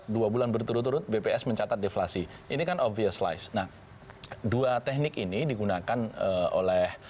dua bulan berturut turut bps mencatat deflasi ini kan obvious lies nah dua teknik ini digunakan oleh